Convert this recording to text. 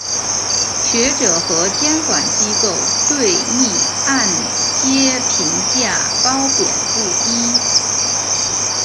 学者和监管机构对逆按揭评价褒贬不一。